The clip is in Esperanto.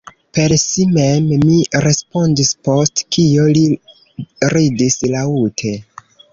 Per si mem, mi respondis, post kio li ridis laŭte.